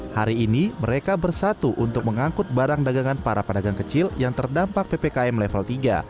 hari ini mereka bersatu untuk mengangkut barang dagangan para pedagang kecil yang terdampak ppkm level tiga